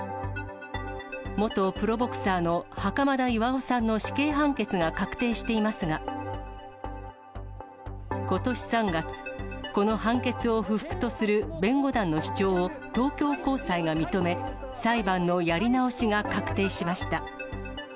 元プロボクサーの袴田巌さんの死刑判決が確定していますが、ことし３月、この判決を不服とする弁護団の主張を東京高裁が認め、裁判のやり直しが確定しました。